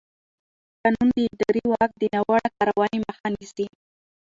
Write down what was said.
قانون د ادارې د واک د ناوړه کارونې مخه نیسي.